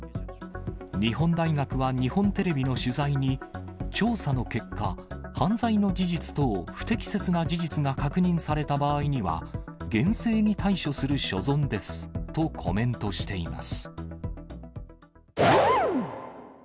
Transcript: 日本大学は日本テレビの取材に、調査の結果、犯罪の事実等、不適切な事実が確認された場合には、厳正に対処する所存ですとコメントしています。